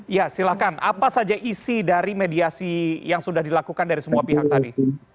ya silahkan apa saja isi dari mediasi yang sudah dilakukan dari semua pihak tadi